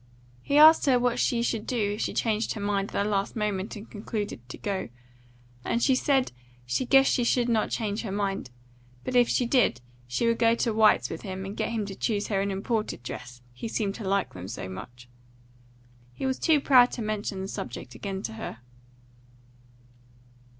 He asked her what should she do if she changed her mind at the last moment and concluded to go, and she said she guessed she should not change her mind, but if she did, she would go to White's with him and get him to choose her an imported dress, he seemed to like them so much. He was too proud to mention the subject again to her.